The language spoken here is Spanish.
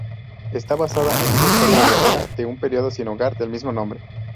Está basada en una historia verdadera de un periódico sin hogar del mismo nombre.